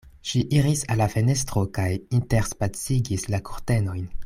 Ŝi iris al la fenestro kaj interspacigis la kurtenojn.